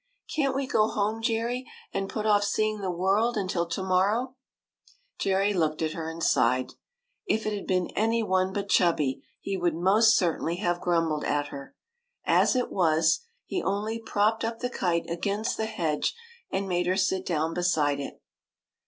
Can't we go home, Jerry, and put off see ing the world until to morrow ?" Jerry looked at her and sighed. If it had been any one but Chubby, he would most cer tainly have grumbled at her. As it was, he lyo THE KITE THAT only propped up the kite against the hedge and made her sit down beside it.